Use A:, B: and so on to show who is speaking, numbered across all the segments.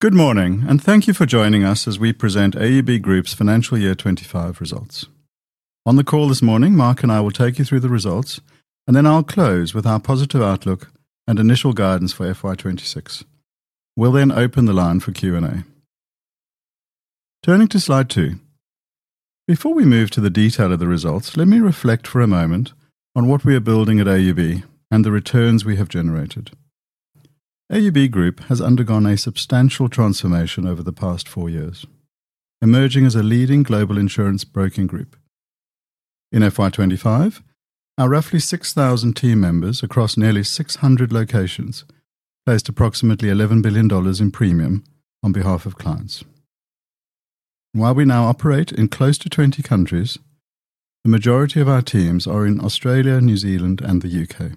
A: Good morning and thank you for joining us as we present AUB Group's Financial Year 2025 Results. On the call this morning, Mark and I will take you through the results and then I'll close with our positive outlook and initial guidance for FY 2026. We'll then open the line for Q&A. Turning to Slide 2 before. We move to the detail of the. Results, let me reflect for a moment on what we are building at AUB and the returns we have generated. AUB Group Limited has undergone a substantial transformation over the past four years, emerging as a leading global insurance broking group. In FY 2025, our roughly 6,000 team members across nearly 600 locations placed approximately 11 billion dollars in premium on behalf of clients. While we now operate in close to 20 countries, the majority of our teams are in Australia, New Zealand, and the U.K.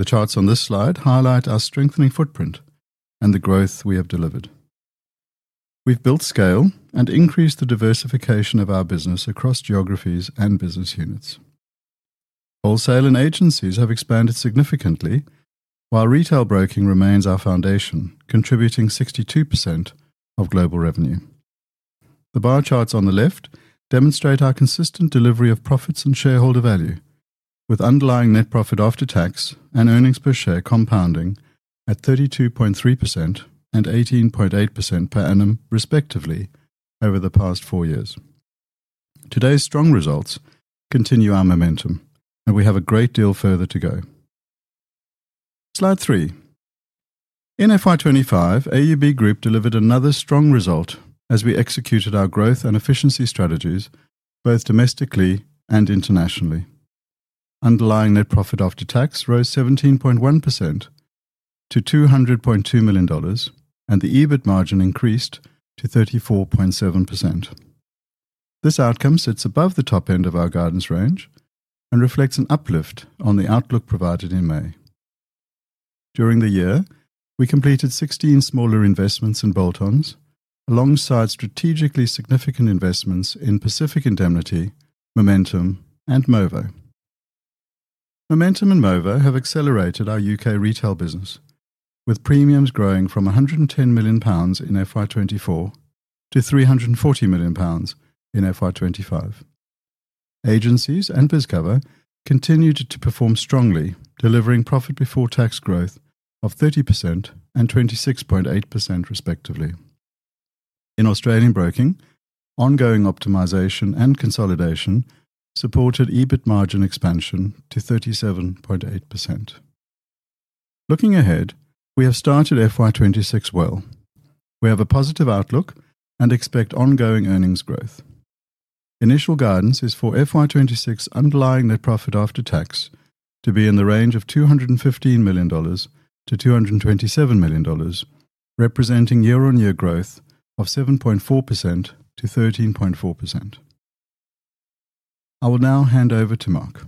A: The charts on this slide highlight our strengthening footprint and the growth we have delivered. We've built scale and increased the diversification of our business across geographies and business units. Wholesale and agencies have expanded significantly while the retail broking segment remains our foundation, contributing 62% of global revenue. The bar charts on the left demonstrate our consistent delivery of profits and shareholder value with underlying net profit after tax and earnings per share compounding at 32.3% and 18.8% per annum respectively over the past four years. Today's strong results continue our momentum and we have a great deal further to go. Slide 3. In FY25, AUB Group delivered another strong result as we executed our growth and efficiency strategies both domestically and internationally. Underlying net profit after tax rose 17.1% to AUD 200.2 million and the EBIT margin increased to 34.7%. This outcome sits above the top end of our guidance range and reflects an uplift on the outlook provided in May. During the year, we completed 16 smaller investments in bolt-ons alongside strategically significant investments in Pacific Indemnity, Momentum, and Movo. Momentum and Movo have accelerated our U.K. retail business with premiums growing from 110 million pounds in FY 2024 to 340 million pounds in FY 2025. Agencies and BizCover continued to perform strongly, delivering profit before tax growth of 30% and 26.8% respectively. In Australian broking, ongoing optimization and consolidation supported EBIT margin expansion to 37.8%. Looking ahead, we have started FY 2026 well. We have a positive outlook and expect ongoing earnings growth. Initial guidance is for FY 2026 underlying net profit after tax to be in the range of 215 million-227 million dollars, representing year-on-year growth of 7.4%-13.4%. I will now hand over to Mark.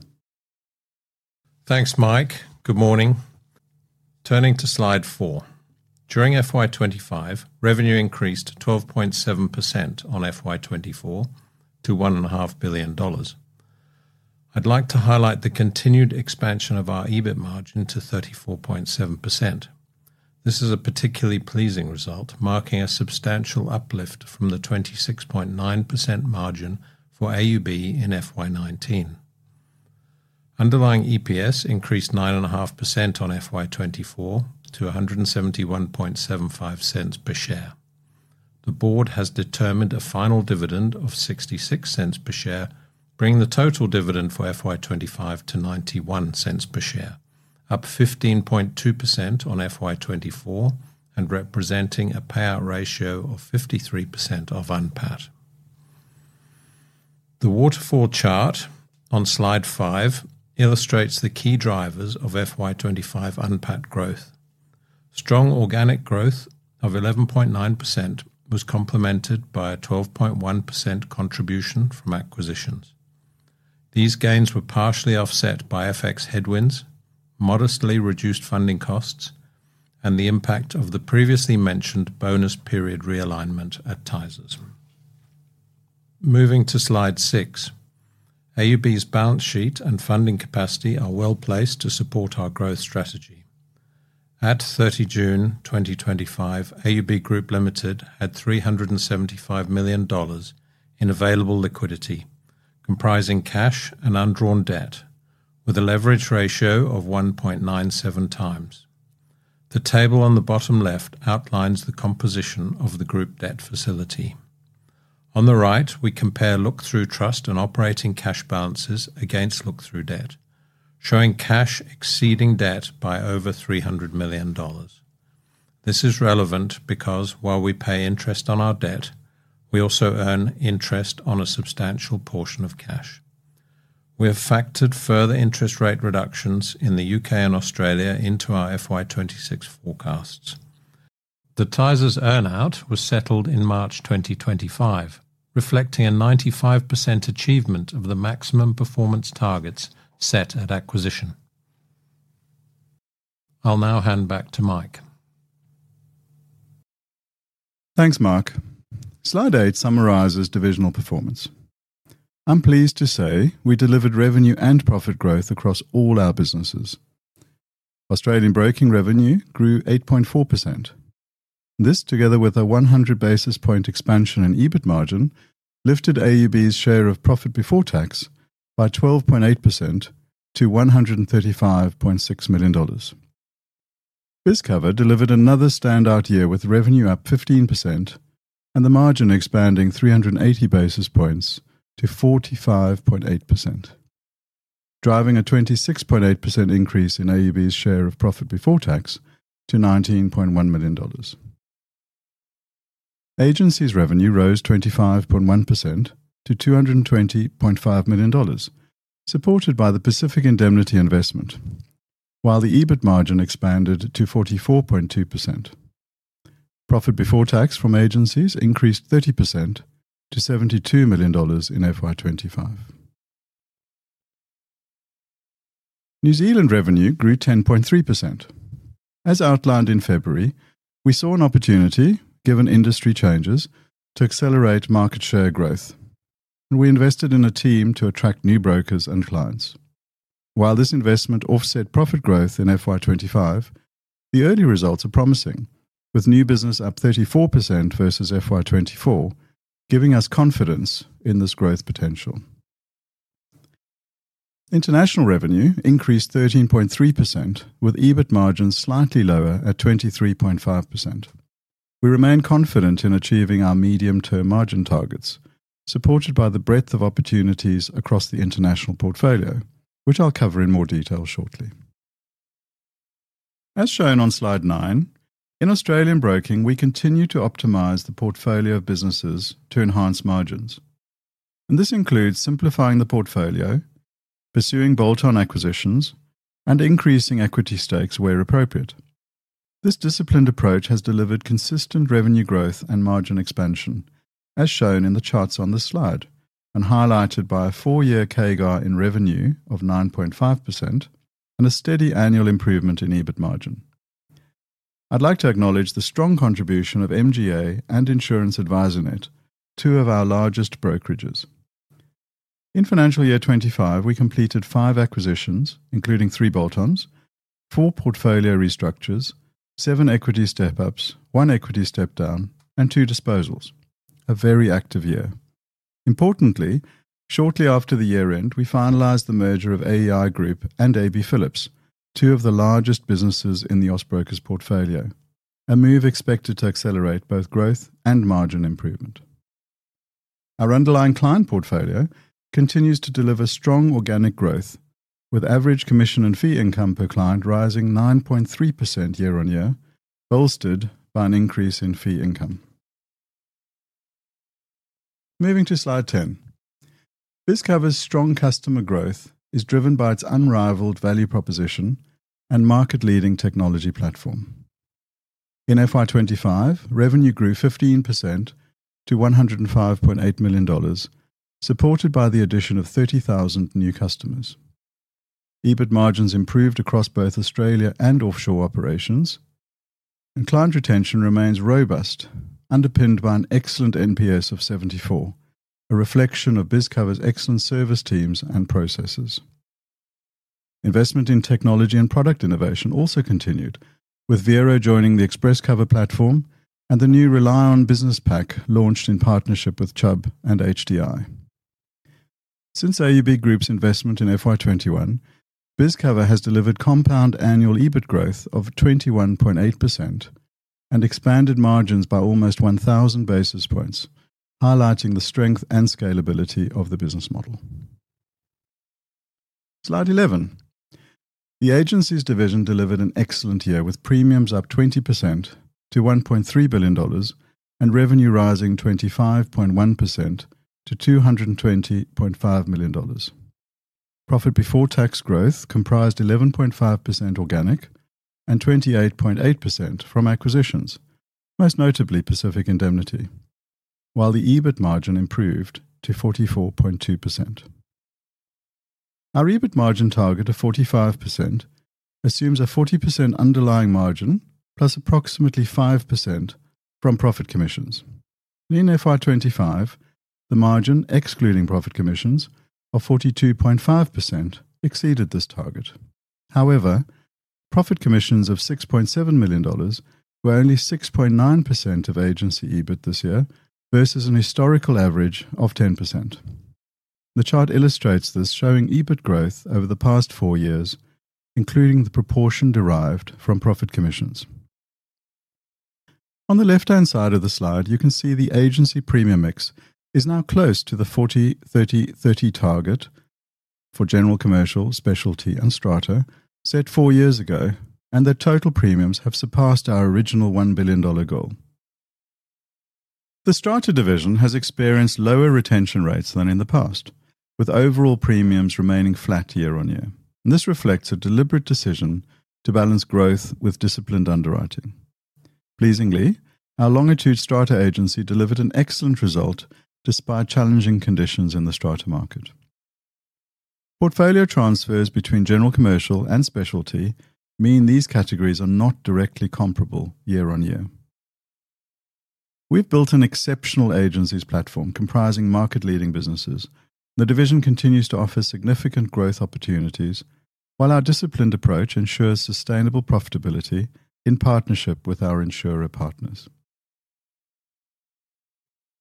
B: Thanks Mike. Good morning. Turning to Slide 4, during FY 2025 revenue increased 12.7% on FY 2024 to 1.5 billion dollars. I'd like to highlight the continued expansion of our EBIT margin to 34.7%. This is a particularly pleasing result, marking a substantial uplift from the 26.9% margin for AUB in FY 2019. Underlying EPS increased 9.5% on FY 2024 to 1.7175 per share. The board has determined a final dividend of 0.66 per share, bringing the total dividend for FY 2025 to 0.91 per share, up 15.2% on FY 2024 and representing a payout ratio of 53% off UNPAT. The waterfall chart on Slide 5 illustrates the key drivers of FY 2025 UNPAT growth. Strong organic growth of 11.9% was complemented by a 12.1% contribution from acquisitions. These gains were partially offset by FX headwinds, modestly reduced funding costs, and the impact of the previously mentioned bonus period realignment at Tysers. Moving to Slide 6, AUB's balance sheet and funding capacity are well placed to support our growth strategy. At 30 June 2025, AUB Group Limited had 375 million dollars in available liquidity comprising cash and undrawn debt with a leverage ratio of 1.97x. The table on the bottom left outlines the composition of the group debt facility. On the right, we compare look through trust and operating cash balances against look through debt, showing cash exceeding debt by over 300 million dollars. This is relevant because while we pay interest on our debt, we also earn interest on a substantial portion of cash. We have factored further interest rate reductions in the U.K. and Australia into our FY 2026 forecasts. The Tysers earn out was settled in March 2025, reflecting a 95% achievement of the maximum performance targets set at acquisition. I'll now hand back to Mike.
A: Thanks Mark. Slide 8 summarises divisional performance. I'm pleased to say we delivered revenue and profit growth across all our businesses. Australian broking revenue grew 8.4%. This, together with a 100 basis point expansion in EBIT margin, lifted AUB's share of profit before tax by 12.8% to 135.6 million dollars. BizCover delivered another standout year with revenue up 15% and the margin expanding 380 basis points to 45.8%, driving a 26.8% increase in AUB's share of profit before tax to 19.1 million dollars. Agencies revenue rose 25.1% to 220.5 million dollars, supported by the Pacific Indemnity investment, while the EBIT margin expanded to 44.2%. Profit before tax from agencies increased 30% to 72 million dollars. In FY 2025, New Zealand revenue grew 10.3%. As outlined in February, we saw an opportunity given industry changes to accelerate market share growth and we invested in a team to attract new brokers and clients. While this investment offset profit growth in FY 2025, the early results are promising with new business up 34% versus FY 2024, giving us confidence in this growth potential. International revenue increased 13.3% with EBIT margins slightly lower at 23.5%. We remain confident in achieving our medium term margin targets, supported by the breadth of opportunities across the international portfolio, which I'll cover in more detail shortly. As shown on slide 9, in Australian broking, we continue to optimise the portfolio of businesses to enhance margins, and this includes simplifying the portfolio, pursuing bolt-on acquisitions, and increasing equity stakes where appropriate. This disciplined approach has delivered consistent revenue growth and margin expansion, as shown in the charts on this slide and highlighted by a four-year CAGR in revenue of 9.5% and a steady annual improvement in EBIT margin. I'd like to acknowledge the strong contribution of MGA and Insurance Advisernet, two of our largest brokerages. In financial year 2025, we completed five. Acquisitions including three bolt-ons, four portfolio restructures, seven equity step-ups, one equity step-down, and two disposals, a very active year. Importantly, shortly after the year end we finalized the merger of AEI Group and AB Phillips, two of the largest businesses in the Austbrokers portfolio, a move expected to accelerate both growth and margin improvement. Our underlying client portfolio continues to deliver strong organic growth with average commission and fee income per client rising 9.3% year-on-year, bolstered by an increase in fee income. Moving to slide 10, BizCover's strong customer growth is driven by its unrivaled value proposition and market-leading technology platform. In FY 2025, revenue grew 15% to 105.8 million dollars, supported by the addition of 30,000 new customers. EBIT margins improved across both Australia and offshore operations, and client retention remains robust, underpinned by an excellent NPS of 74, a reflection of BizCover's excellent service teams and processes. Investment in technology and product innovation also continued, with Vero joining the Express Cover platform and the new Rely On Business pack launched in partnership with Chubb and HDI. Since AUB Group Limited's investment in FY 2021, BizCover has delivered compound annual EBIT growth of 21.8% and expanded margins by almost 1,000 basis points, highlighting the strength and scalability of the business model. Slide 11, the agencies division delivered an excellent year with premiums up 20% to 1.3 billion dollars and revenue rising 25.1% to 220.5 million dollars. Profit before tax growth comprised 11.5% organic and 28.8% from acquisitions, most notably Pacific Indemnity, while the EBIT margin improved to 44.2%. Our EBIT margin target of 45% assumes a 40% underlying margin plus approximately 5% from profit commissions. In FY 2025, the margin excluding profit commissions of 42.5% exceeded this target. However, profit commissions of 6.7 million dollars were only 6.9% of agency EBIT this year versus a historical average of 10%. The chart illustrates this, showing EBIT growth over the past four years including the proportion derived from profit commissions. On the left-hand side of the slide, you can see the agency premium mix is now close to the 40/30/30 target for general, commercial, specialty, and strata set four years ago, and their total premiums have surpassed our original 1 billion dollar goal. The strata division has experienced lower retention rates than in the past, with overall. Premiums remaining flat year on year. This reflects a deliberate decision to balance growth with disciplined underwriting. Pleasingly, our Longitude Strata agency delivered an excellent result despite challenging conditions in the Strata market. Portfolio transfers between General, Commercial, and specialty mean these categories are not directly comparable. Year on year we've built an exceptional agencies platform comprising market-leading businesses. The division continues to offer significant growth opportunities while our disciplined approach ensures sustainable profitability in partnership with our insurer partners.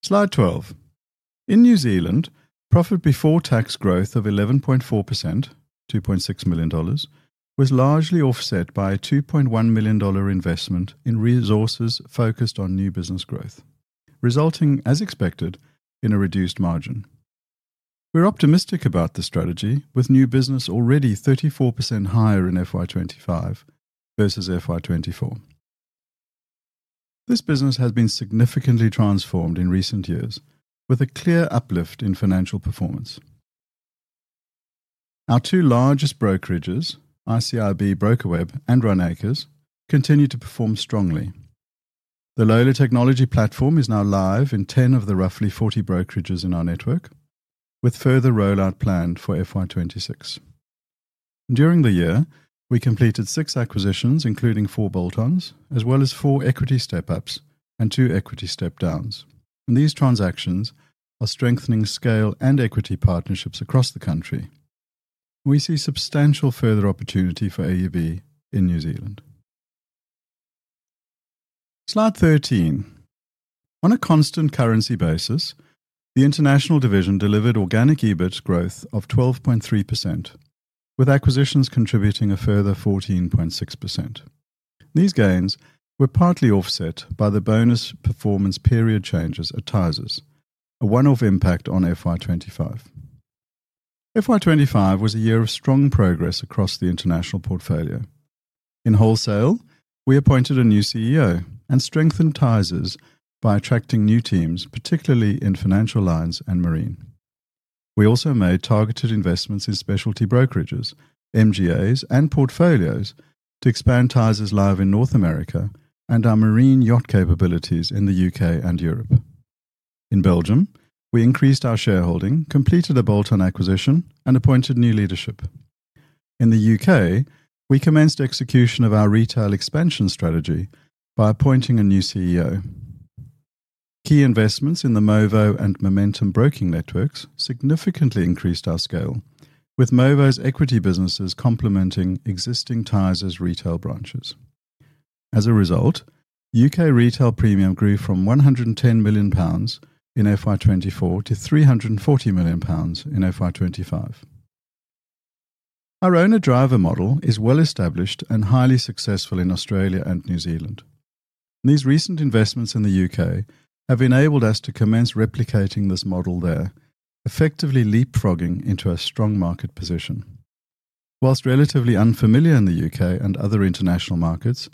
A: Slide 12. In New Zealand, profit before. Tax growth of 11.4% was largely offset by a 2.1 million dollar investment in resources focused on new business growth, resulting, as expected, in a reduced margin. We're optimistic about the strategy with new business already 34% higher in FY 2025 versus FY 2024. This business has been significantly transformed in recent years with a clear uplift in financial performance. Our two largest brokerages, ICIB BrokerWeb and Runacres, continue to perform strongly. The Lola technology platform is now live in 10 of the roughly 40 brokerages in our network, with further rollout planned for FY 2026. During the year, we completed six acquisitions including four bolt-ons as well as four equity step-ups and two equity step-downs, and these transactions are strengthening scale and equity partnerships across the country. We see substantial further opportunity for AUB in New Zealand. Slide 13 On a constant currency basis, the International division delivered organic EBIT growth of 12.3% with acquisitions contributing a further 14.6%. These gains were partly offset by the bonus performance period changes at Tysers. A one-off impact on FY 2025. FY 2025 was a year of strong progress across the international portfolio. In wholesale, we appointed a new CEO and strengthened Tysers by attracting new teams, particularly in financial lines and marine. We also made targeted investments in specialty brokerages, MGAs, and portfolios to expand Tysers' live in North America and our marine yacht capabilities in the U.K. and Europe. In Belgium, we increased our shareholding, completed a bolt-on acquisition, and appointed new leadership. In the U.K., we commenced execution of our retail expansion strategy by appointing a new CEO. Key investments in the Movo and Momentum broking networks significantly increased our scale, with Movo's equity businesses complementing existing Tysers retail branches. As a result, U.K. retail premium grew from 110 million pounds in FY 2024 to 340 million pounds in FY 2025. Our owner-driver model is well established and highly successful in Australia and New Zealand. These recent investments in the U.K. have enabled us to commence replicating this model there, effectively leapfrogging into a strong market position. Whilst relatively unfamiliar in the U.K. and other international markets,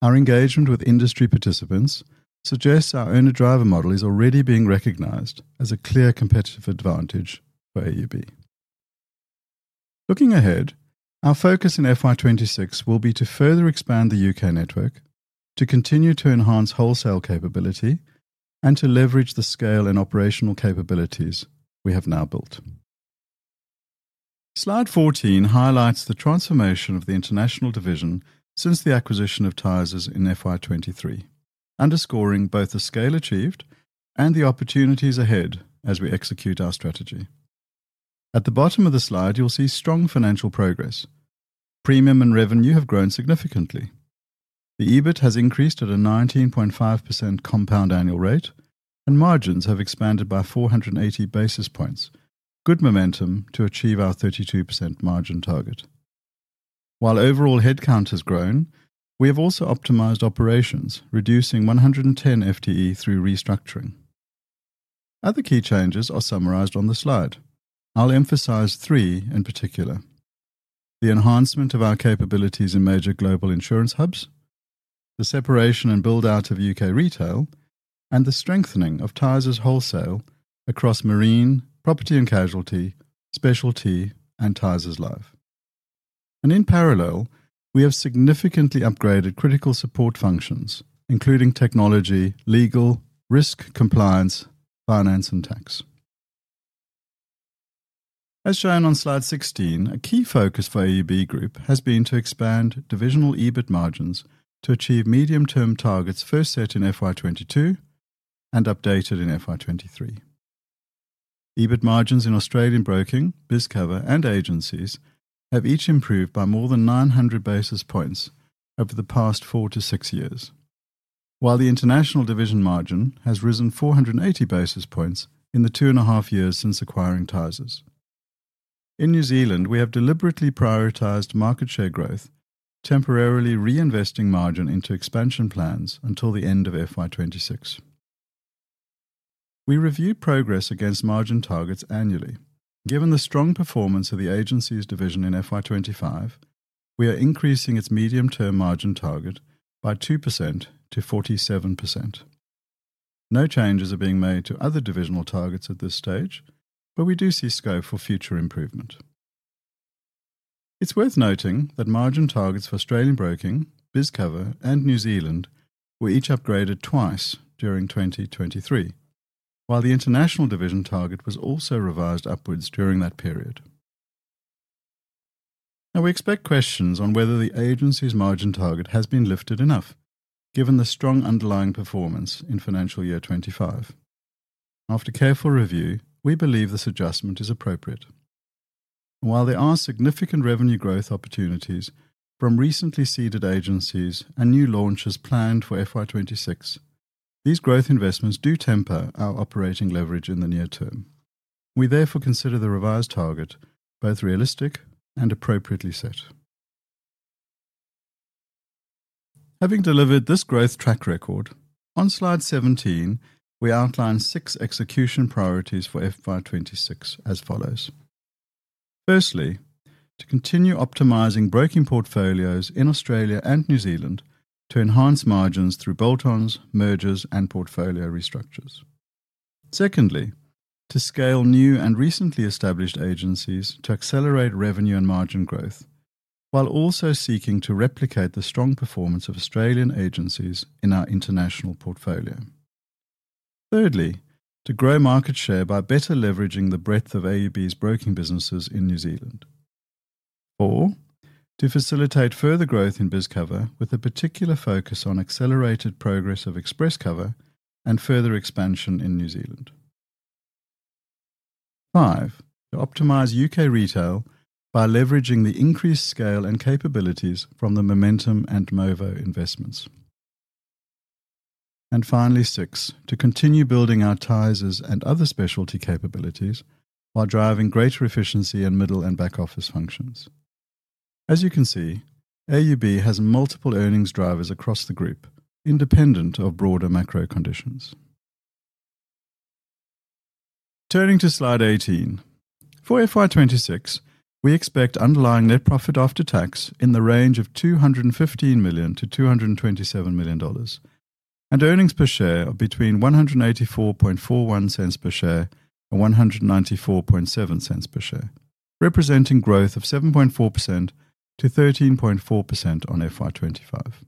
A: our engagement with industry participants suggests our owner-driver model is already being recognized as a clear competitive advantage for AUB. Looking ahead, our focus in FY 2026 will be to further expand the U.K. network to continue to enhance wholesale capability and to leverage the scale and operational capabilities we have now built. Slide 14 highlights the transformation of the International division since the acquisition of Tysers in FY 2023, underscoring both the scale achieved and the opportunities ahead. As we execute our strategy at the bottom of the slide, you'll see strong financial progress. Premium and revenue have grown significantly. The EBIT has increased at a 19.5% compound annual rate and margins have expanded by 480 basis points. Good momentum to achieve our 32% margin target while overall headcount has grown. We have also optimized operations, reducing 110 FTE through restructuring. Other key changes are summarized on the slide. I'll emphasize three in the enhancement of our capabilities in major global insurance hubs, the separation and build out of U.K. retail, and the strengthening of Tysers wholesale across marine, property and casualty specialty, and Tysers life. In parallel, we have significantly upgraded critical support functions including technology, legal, risk compliance, finance, and tax. As shown on slide 16, a key. Focus for AUB Group has been to expand divisional EBIT margins to achieve medium term targets first set in FY 2022 and updated in FY 2023. EBIT margins in Australian broking, BizCover, and agencies have each improved by more than 900 basis points over the past four to six years, while the international division margin has risen 480 basis points in the two and a half years since acquiring Tysers. In New Zealand, we have deliberately prioritized market share growth, temporarily reinvesting margin into expansion plans until the end of FY 2026. We review progress against margin targets annually. Given the strong performance of the agencies division in FY 2025, we are increasing its medium term margin target by 2%-47%. No changes are being made to other divisional targets at this stage, but we do see scope for future improvement. It's worth noting that margin targets for Australian broking, BizCover, and New Zealand were each upgraded twice during 2023, while the international division target was also revised upwards during that period. Now we expect questions on whether the agencies margin target has been lifted enough given the strong underlying performance in financial year 2025. After careful review, we believe this adjustment is appropriate. While there are significant revenue growth opportunities from recently seeded agencies and new launches planned for FY 2026, these growth investments do temper our operating leverage in the near term. We therefore consider the revised target both realistic and appropriately set. Having delivered this growth track record on. Slide 17, we outline six execution priorities for FY 2026 as firstly, to continue optimizing broking portfolios in Australia and New Zealand to enhance margins through bolt-ons, mergers, and portfolio restructures. Secondly, to scale new and recently established agencies to accelerate revenue and margin growth while also seeking to replicate the strong performance of Australian agencies in our international portfolio. Thirdly, to grow market share by better leveraging the breadth of AUB's broking businesses in New Zealand or to facilitate further growth in BizCover with a particular focus on accelerated progress of Express Cover and further expansion in New Zealand. Fifth, to optimize U.K. retail by leveraging the increased scale and capabilities from the Momentum and Movo investments, and finally, sixth, to continue building our Tysers and other specialty capabilities while driving greater efficiency in middle and back office functions. As you can see, AUB has multiple earnings drivers across the group, independent of broader macro conditions. Turning to slide 18 for FY 2026, we. Expect underlying net profit after tax in the range of 215 million-227 million dollars and earnings per share of between 1.8441 and 1.947, representing growth of 7.4%-13.4% on FY 2025.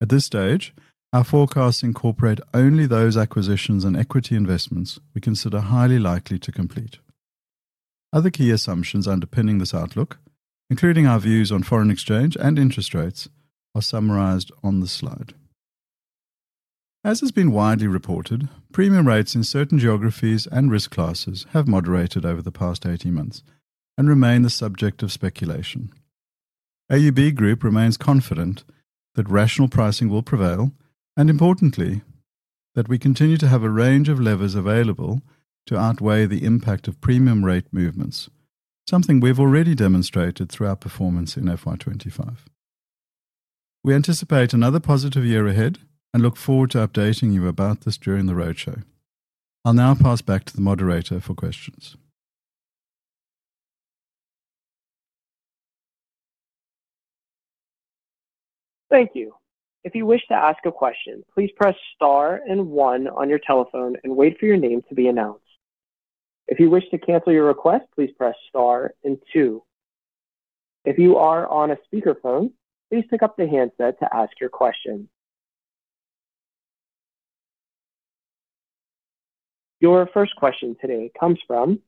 A: At this stage, our forecasts incorporate only those acquisitions and equity investments we consider highly likely to complete. Other key assumptions underpinning this outlook, including our views on foreign exchange and interest rates, are summarized on the slide. As has been widely reported, premium rates in certain geographies and risk classes have moderated over the past 18 months and remain the subject of speculation. AUB Group remains confident that rational pricing will prevail and, importantly, that we continue to have a range of levers available to outweigh the impact of premium rate movements, something we've already demonstrated through our performance in FY2025. We anticipate another positive year ahead and look forward to updating you about this during the roadshow. I'll now pass back to the moderator for questions.
C: Thank you. If you wish to ask a question, please press STAR and one on your telephone and wait for your name to be announced. If you wish to cancel your request, please press STAR and two. If you are on a speakerphone, please pick up the handset to ask your question. Your first question today comes from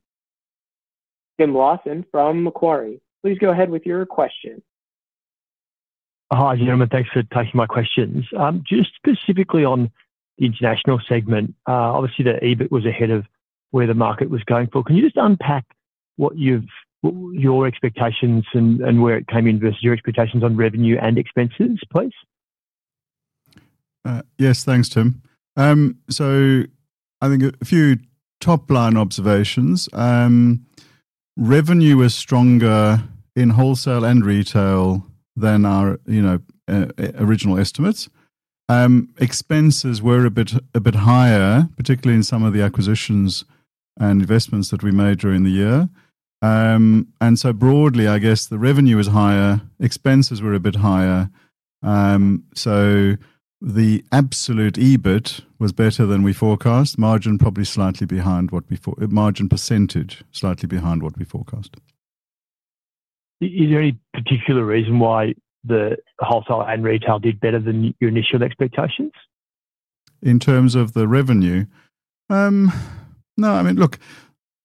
C: Tim Lawson from Macquarie. Please go ahead with your question.
D: Hi gentlemen, thanks for taking my questions. Just specifically on the international segment, obviously the EBIT was ahead of where the market was going for. Can you just unpack what your expectations and where it came in versus your expectations on revenue and expenses please?
A: Yes, thanks Tim. I think a few top line observations. Revenue is stronger in wholesale and retail. Than our original estimates. Expenses were a bit higher, particularly in some of the acquisitions and investments that we made during the year. Broadly, I guess the revenue is higher. Expenses were a bit higher, so the absolute EBIT was better than. We forecast margin probably slightly behind what we margin percentage slightly behind what we forecast.
D: Is there any particular reason why the wholesale and retail did better than your initial expectations?
A: In terms of the revenue? No. I mean, look,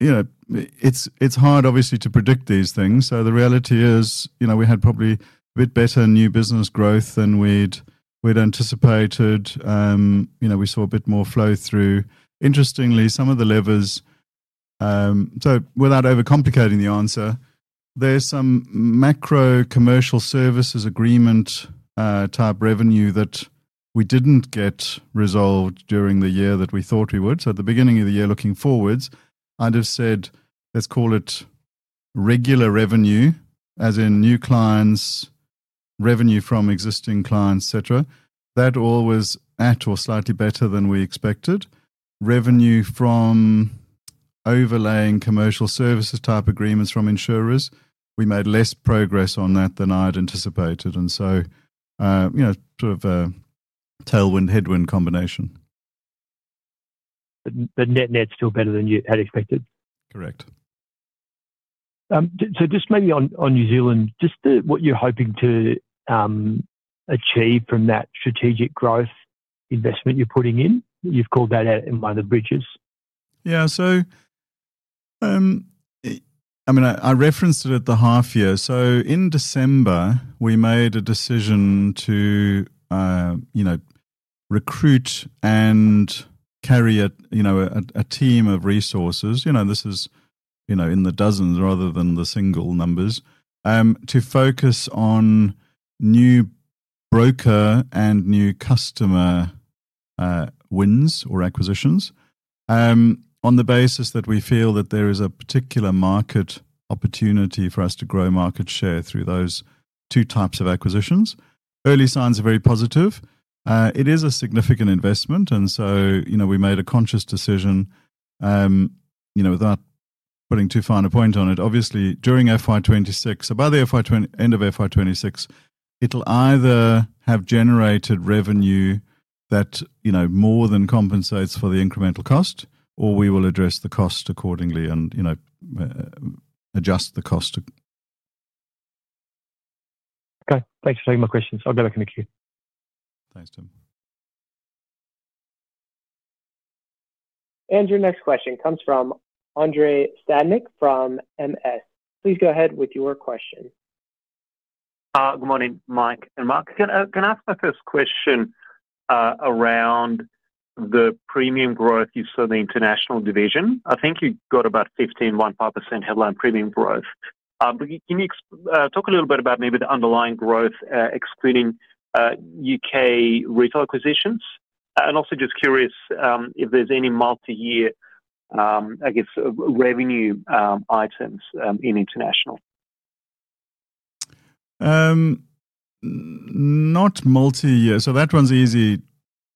A: it's hard obviously to predict these things. The reality is, you know, we had probably a bit better new business growth than we'd anticipated. We saw a bit more flow through, interestingly, some of the levers. Without overcomplicating the answer, there's some macro commercial services agreement type revenue that we didn't get resolved during the year. That we thought we would. At the beginning of the year, looking forwards, I just said let's call it regular revenue as in new clients, revenue from existing clients, etc. That always at or slightly better than we expected. Revenue from overlaying commercial services type agreements from insurers, we made less progress on that than I had anticipated. You know, sort of a tailwind, headwind combination.
D: Net net's still better than you had expected.
A: Correct.
D: Mainly on New Zealand, just what you're hoping to achieve from that strategic growth investment you're putting in. You've called that out in one of the bridges.
A: I referenced it at the half year. In December we made a decision to recruit and carry a team of resources. This is in the dozens rather than the single numbers to focus on new broker and new customer wins or acquisitions, on the basis that we feel that there is a particular market opportunity for us to grow market share through those. Two types of acquisitions. Early signs are very positive. It is a significant investment. We made a conscious decision, without putting too fine a point on it, obviously during FYv2026. By the end of FY 2026 it'll either have generated revenue that more than compensates for the incremental cost, or we will address the cost accordingly and adjust the cost.
D: Okay, thanks for taking my questions. I'll definitely queue.
A: Thanks Tim.
C: Your next question comes from Andrei Stadnik from MS Please go ahead with your question.
E: Good morning Mike and Mark. Can I ask my first question around the premium growth? You saw the international division? I think you got about 15.15% headline premium growth. Can you talk a little bit about maybe the underlying growth excluding U.K. retail acquisitions and also just curious if there's any multi-year, I guess revenue items in international.
A: Not multi year. That one's easy,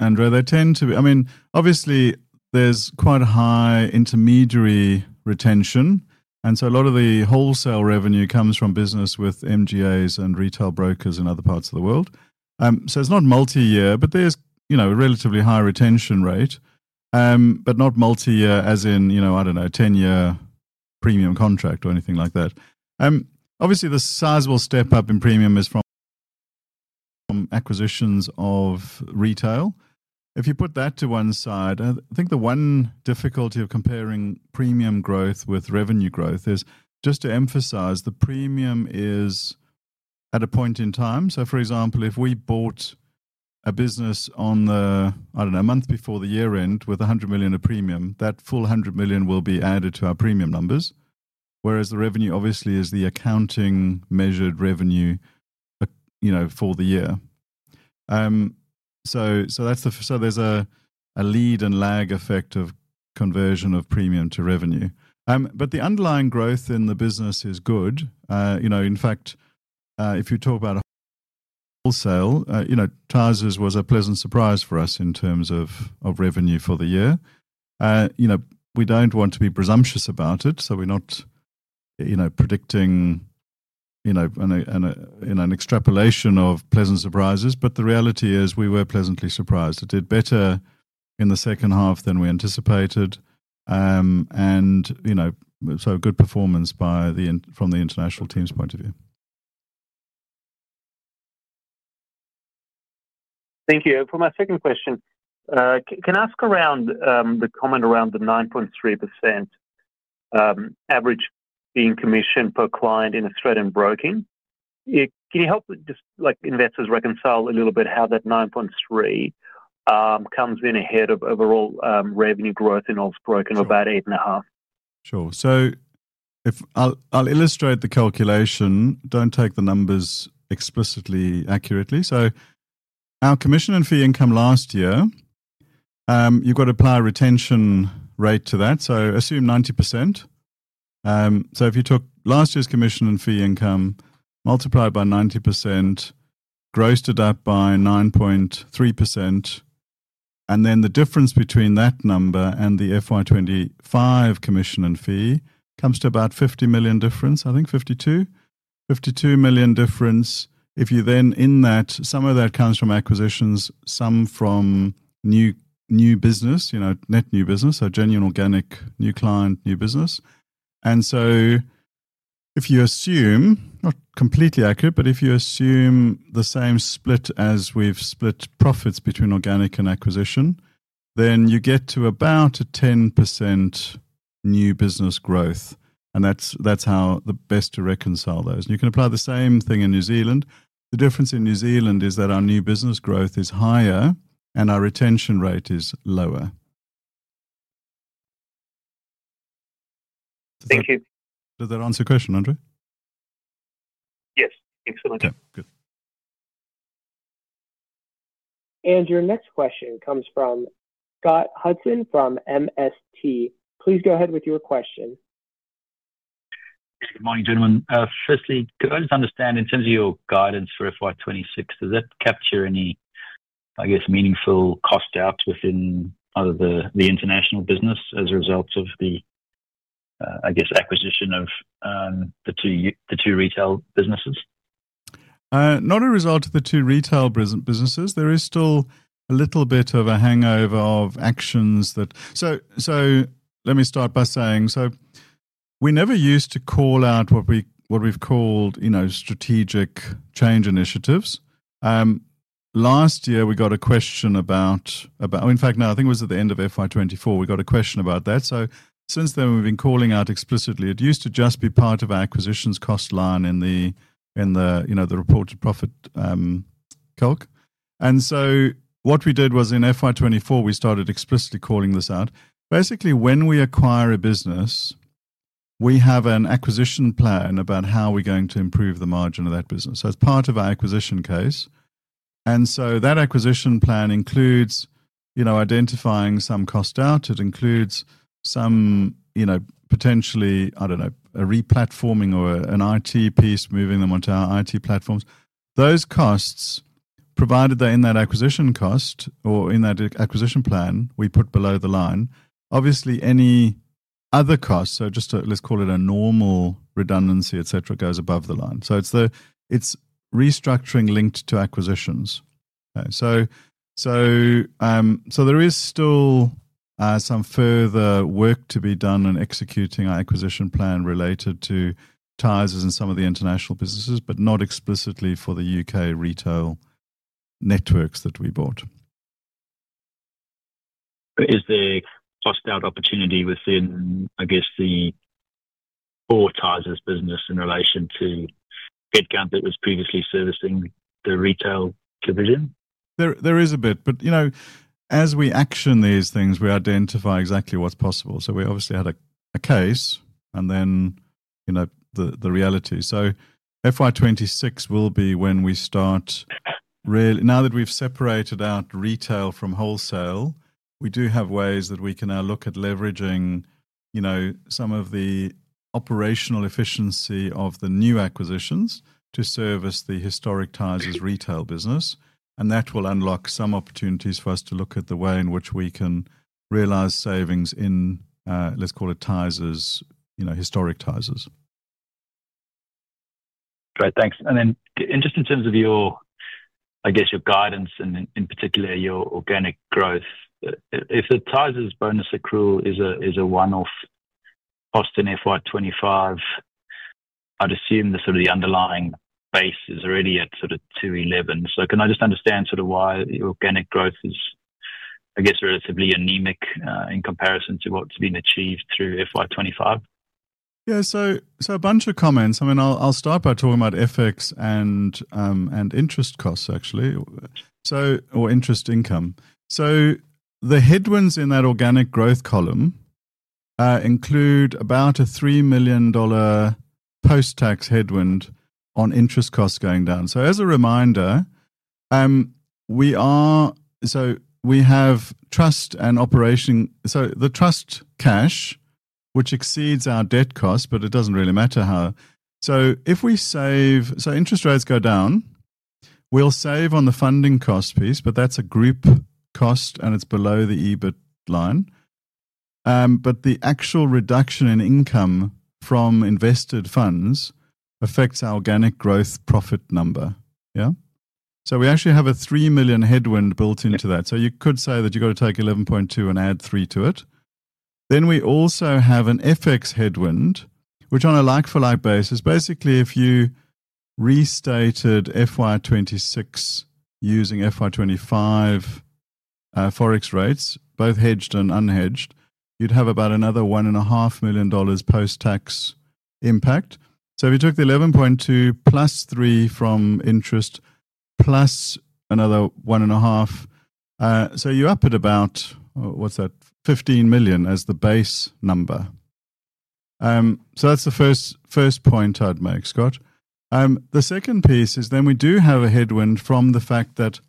A: Andrei. They tend to be, I mean obviously there's quite high intermediary retention, and a lot of the wholesale revenue comes from business with MGAs and retail brokers in other parts of the world. It's not multi year, but there's a relatively high retention rate, not multi year as in, you know, I don't know, 10 year premium contract or anything like that. Obviously, the sizable step up in premium is from acquisitions of retail. If you put that to one side, I think the one difficulty of comparing premium growth with revenue growth is just to emphasize the premium is at a point in time. For example, if we bought a business a month before the year end with AUD A7100 million in premium, that full 100 million will be added to our premium numbers, whereas the revenue obviously is the accounting measured revenue for the year. There's a lead and lag effect of conversion of premium to revenue. The underlying growth in the business is good. In fact, if you talk about wholesale, Tysers was a pleasant surprise for us in terms of revenue for the year. We don't want to be presumptuous about it, so we're not predicting an extrapolation of pleasant surprises. The reality is we were pleasantly surprised. It did better in the second half than we anticipated, and good performance from the international team's point of view.
E: Thank you. For my second question, can I ask around the comment about the 9.3% average being commission per client in Australian broking? Can you help just like investors reconcile a little bit how that 9.3% comes. In ahead of overall revenue growth, it holds broken about 8.5%.
A: Sure. I'll illustrate the calculation. Don't take the numbers explicitly accurately. Our commission and fee income last year, you've got to apply a retention rate to that. Assume 90%. If you took last year's commission and fee income, multiplied by 90%, grossed it up by 9.3%, and then the difference between that number and the FY 2025 commission and fee comes to about 50 million difference. I think 52 million difference. Some of that comes from acquisitions, some from new business, net new business. Genuine organic new client, new business. If you assume, not completely accurate, but if you assume the same split as we've split profits between organic and acquisition, then you get to about a 10% new business growth. That's how the best to reconcile those. You can apply the same thing in New Zealand. The difference in New Zealand is that our new business growth is higher. Our retention rate is lower.
E: Thank you.
A: Does that answer your question, Andre?
E: Yes. Excellent.
C: Your next question comes from Scott Hudson from MST. Please go ahead with your question.
F: Good morning, gentlemen. Firstly, I just understand in terms of your guidance for FY 2026, does that capture any, I guess, meaningful cost out within the international business as a result of the, I guess, acquisition of the two retail businesses?
A: Not a result of the two retail businesses. There is still a little bit of a hangover of actions that. Let me start by saying we never used to call out what we've called, you know, strategic change initiatives. Last year we got a question about. In fact, no, I think it was at the end of FY 2024 we got a question about that. Since then we've been calling out explicitly. It used to just be part of our acquisitions cost line in the, in the, you know, the reported profit calc. What we did was in FY 2024 we started explicitly calling this out. Basically when we acquire a business we have an acquisition plan about how we're going to improve the margin of that business. It is part of our acquisition case. That acquisition plan includes identifying some cost out. It includes potentially, I don't know, a replatforming or an IT piece moving them onto our IT platforms. Those costs, provided they're in that acquisition cost or in that acquisition plan, we put below the line. Obviously, any other costs, just let's call it a normal redundancy, et cetera, goes above the line. It's the. It's restructuring linked to acquisitions. There is still some further work to be done on executing our acquisition plan related to Tysers and some of the international businesses, but not explicitly for the U.K. retail networks that we bought.
F: Is the cost out opportunity within, I guess, the Tysers business in relation to headcount that was previously servicing the retail division there?
A: There is a bit. As we action these things, we identify exactly what's possible. We obviously had a case and then the reality. FY 2026 will be when we start really, now that we've separated out retail from wholesale. We do have ways that we can now look at leveraging some of the operational efficiency of the new acquisitions to service the historic Tysers retail business. That will unlock some opportunities for us to look at the way in which we can realize savings in, let's call it, Tysers, you know, historic Tysers.
F: Great, thanks. In terms of your guidance and in particular your organic growth, if the Tysers bonus accrual is a one-off cost in FY 2025, I'd assume the underlying base is already at 211. Can I just understand why the organic growth is relatively anemic in comparison to what's been achieved through FY 2025?
A: Yeah. A bunch of comments. I'll start by talking about FX and interest costs actually or interest income. The headwinds in that organic growth column include about a 3 million dollar post-tax headwind on interest costs going down. As a reminder, we are. We have trust and operation. The trust cash, which exceeds our debt cost, but it doesn't really matter how. If we save, so interest rates go down, we'll save on the funding cost piece, but that's a group cost and it's below the EBIT line. The actual reduction in income from invested funds affects our organic growth profit number. We actually have a 3 million headwind built into that. You could say that you've got. To take 11.2 and add 3 to it. We also have an FX headwind which on a like-for-like basis, basically, if you restated FY 2026 using FY 2025 forex rates, both hedged and unhedged, you'd have about another 1.5 million dollars post-tax impact. If you took the 11.2 million plus 3 million from interest plus another 1.5 million, you're up at about, what's that, 15 million as the base number. That's the first point I'd make, Scott. The second piece is we do have a headwind from the fact that,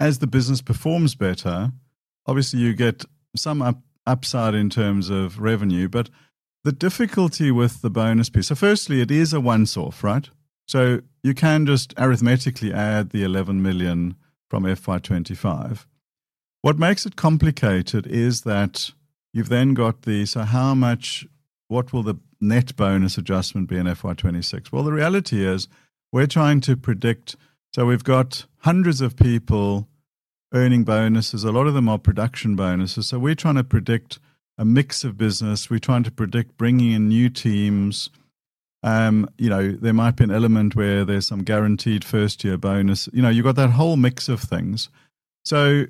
A: as the business performs better, obviously you get some upside in terms of revenue. The difficulty with the bonus piece, firstly, it is a once off. Right. You can just arithmetically add the 11 million from FY 2025. What makes it complicated is that you've then got the—how much, what will the net bonus adjustment be in FY 2026? The reality is we're trying to predict. We've got hundreds of people earning bonuses, a lot of them are production bonuses. We're trying to predict a mix of business, we're trying to predict bringing in new teams. There might be an element where there's some guaranteed first year bonus. You've got that whole mix of things. It's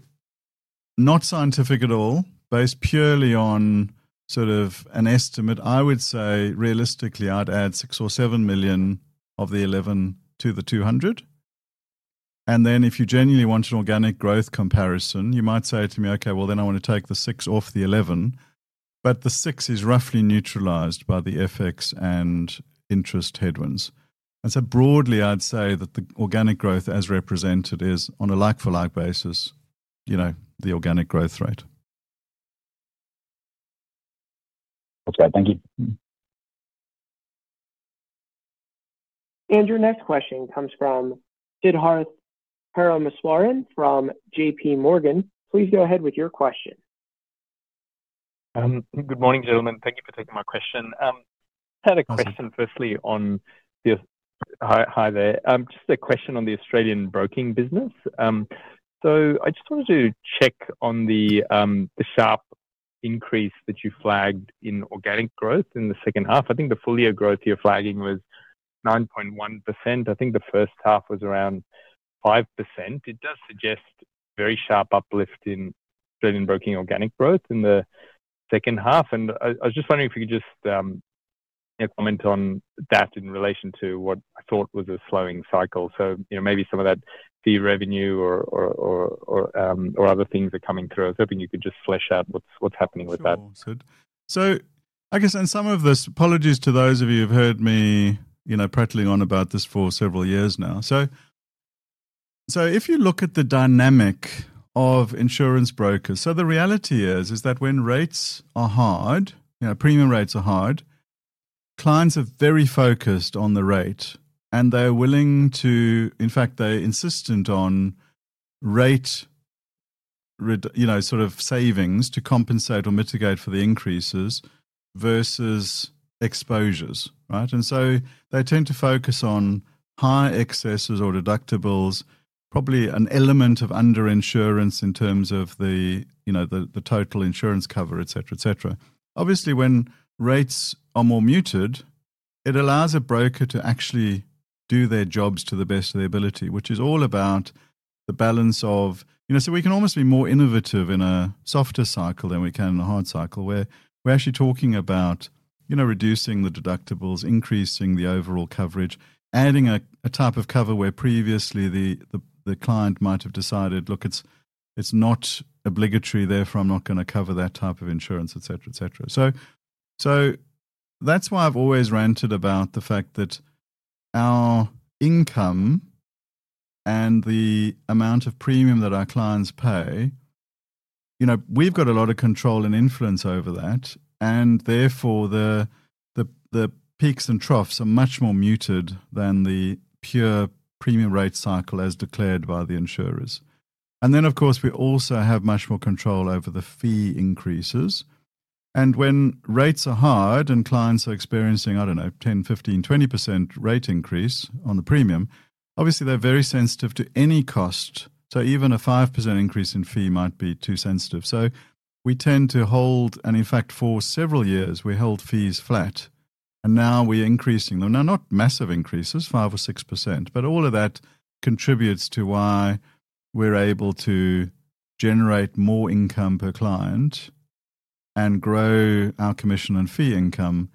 A: not scientific at all. Based purely on sort of an estimate, I'd say realistically I'd add 6 million or 7 million of the 11 million to the 200 million. If you genuinely want an organic growth comparison, you might say to me, okay, then I want to take the 6 million off the 11 million, but the 6 million is roughly neutralized by the FX and interest headwinds. Broadly, I'd say that the organic growth as represented is on a like-for-like basis, you know, the organic growth rate.
F: Okay, thank you.
C: Your next question comes from Siddharth Parameswaran from JPMorgan. Please go ahead with your question.
G: Good morning, gentlemen. Thank you for taking my question. I had a question firstly on. Hi there. Just a question on the Australian broking business. I just wanted to check on the sharp increase that you flagged in organic growth in the second half. I think the full year growth you're flagging was 9.1%. I think the first half was around 5%. It does suggest very sharp uplift in Australian broking organic growth in the second half. I was just wondering if you could comment on that in relation to what I thought was a slowing cycle. Maybe some of that revenue or other things are coming through. I was hoping you could flesh out what's happening with that.
A: I guess, and apologies to those of you who've heard me prattling on about this for several years now. If you look at the dynamic of insurance brokers, the reality is that when rates are hard, premium rates are hard, clients are very focused on the rate and they're willing to, in fact they're insistent on rate, you know, sort of savings to compensate or mitigate for the increases versus exposures. Right. They tend to focus on high excesses or deductibles, probably an element of underinsurance in terms of the total insurance cover, etc. Obviously, when rates are more muted, it allows a broker to actually do their jobs to the best of their ability, which is all about the balance of, you know, so we can almost be more innovative in a softer cycle than we can in a hard cycle where we're actually talking about reducing the deductibles, increasing the overall coverage, adding a type of COVID where previously the client might have decided, look, it's not obligatory, therefore I'm not going to cover that type of insurance, et cetera. That's why I've always ranted about the fact that our income and the. Amount of premium that our clients pay. We've got a lot of control and influence over that. Therefore, the peaks and troughs are much more muted than the pure premium rate cycle as declared by the insurers. Of course, we also have much more control over the fee increases. When rates are hard and clients are experiencing, I don't know, 10%, 15%, 20% rate increase on the premium, obviously. They're very sensitive to any cost. Even a 5% increase in fee might be too sensitive. We tend to hold, and in fact, for several years we hold fees flat and now we're increasing them. Not massive increases, 5% or 6%, but all of that contributes to why we're able to generate more income per client and grow our commission and fee income,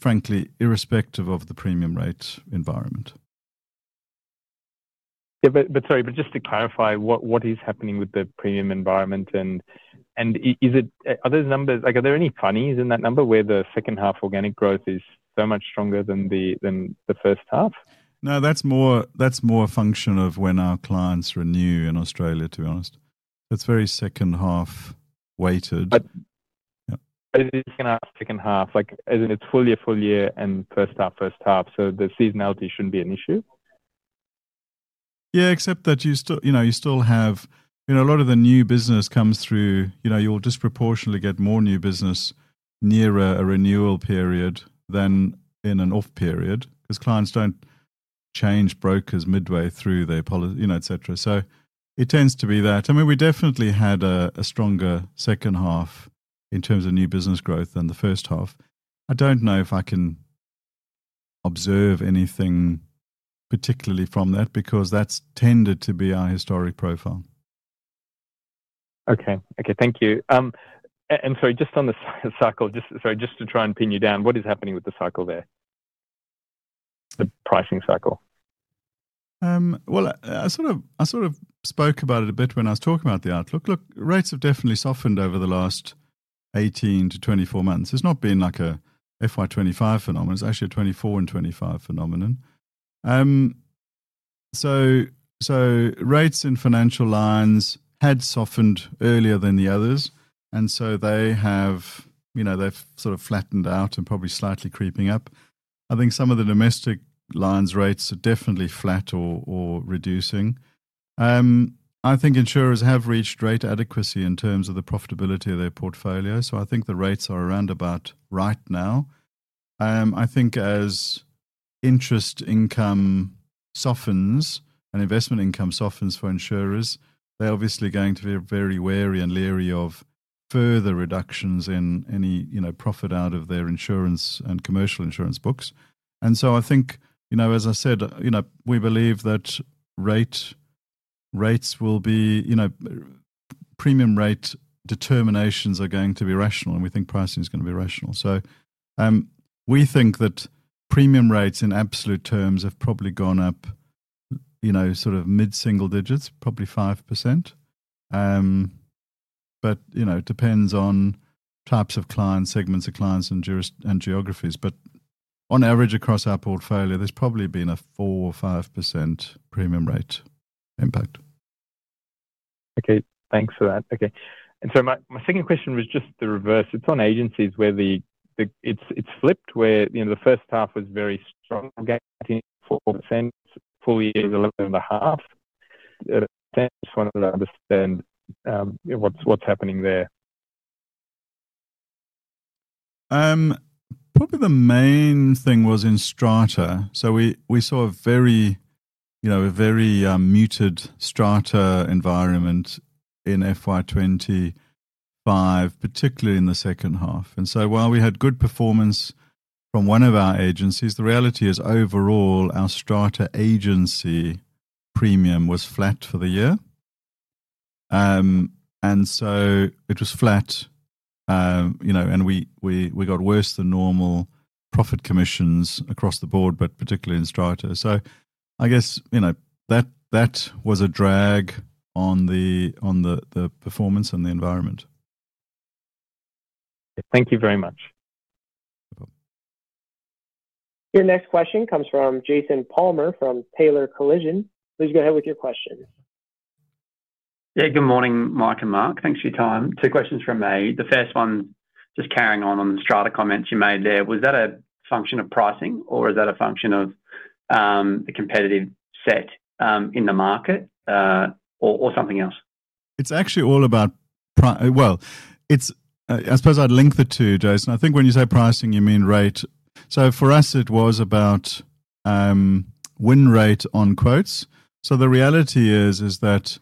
A: frankly, irrespective of the premium rate environment.
G: Sorry, just to clarify, what is happening with the premium environment, and are those numbers, are there any funnies in that number where the second half organic growth is so much stronger than the first half?
A: No, that's more a function of when our clients renew in Australia, to be honest, it's very second half weighted.
G: Second half like as in its full year, full year and first half, first half. The seasonality shouldn't be an issue.
B: Yeah, except that you still have a lot of the new business comes through. You'll disproportionately get more new business nearer a renewal period than in an off period because clients don't change brokers midway through their policy, et cetera. It tends to be that. I mean, we definitely had a stronger second half in terms of new business growth than the first half. I don't know if I can observe anything particularly from that because that's tended to be our historic profile.
G: Thank you. Sorry, just on the cycle. Just to try and pin you down, what is happening with the cycle there, the pricing cycle?
B: I sort of spoke about it a bit when I was talking about the outlook. Look, rates have definitely softened over the last 18 to 24 months. It's not been like a FY 2025 phenomenon. It's actually a 2024 and 2025 phenomenon. Rates in financial lines had softened earlier than the others, and they have, you know, they've sort of flattened out and probably slightly creeping up. I think some of the domestic lines rates are definitely flat or reducing. I think insurers have reached rate adequacy. In terms of the profitability of their portfolio. I think the rates are around about right now. I think as interest income softens and investment income softens for insurers, they're obviously going to be very wary and leery of further reductions in any profit out of their insurance and commercial insurance books. I think, as I said, we believe that rates will be premium rate determinations are going to be rational and we think pricing is going to be rational. We think that premium rates in absolute terms have probably gone up, you know, sort of mid single digits, probably 5%. It depends on types of clients, segments of clients and geographies. On average across our portfolio there's probably been a 4 or 5% premium rate impact.
G: Okay, thanks for that. Okay. My second question was just the reverse. It's on agencies where it's flipped, where the first half was very strong, 4% full year, 11.5%. Just wanted to understand what's happening there.
A: Probably the main thing was in strata. We saw a very, you know, a very muted strata environment in FY 2025, particularly in the second half. While we had good performance from one of our agencies, the reality is overall our strata agency premium was flat for the year. It was flat, you know, and we got worse than normal profit commissions across the board, particularly in strata. I guess, you know, that was a drag on the, on the. Performance and the environment.
G: Thank you very much.
C: Your next question comes from Jason Palmer from Taylor Collision. Please go ahead with your question.
H: Good morning, Mike and Mark, thanks for your time. Two questions from me. The first one, just carrying on on the strata comments you made there. Was that a function of pricing, or is that a function of the competitive set in the market, or something else?
A: It's actually all about price. I suppose I'd link the two, Jason. I think when you say pricing you mean rate. For us it was about win rate on quotes. The reality is that